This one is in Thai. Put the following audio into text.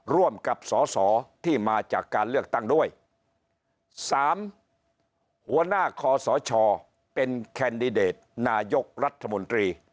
ร่วมกับสอสอที่มาจากการเลือกตั้งด้วย๓หัวหน้าคอสชเป็นแคนดิเดตนายกรัฐมนตรี